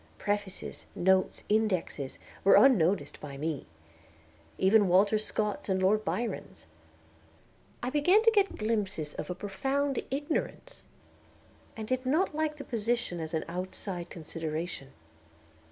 Prefaces, notes, indexes, were unnoticed by me, even Walter Scott's and Lord Byron's. I began to get glimpses of a profound ignorance, and did not like the position as an outside consideration.